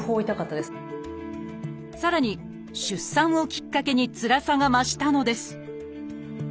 さらに出産をきっかけにつらさが増したのです。